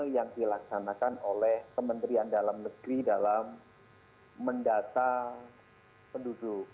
yang dilaksanakan oleh kementerian dalam negeri dalam mendata penduduk